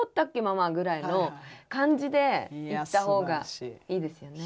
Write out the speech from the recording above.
ママ」ぐらいの感じで行った方がいいですよね。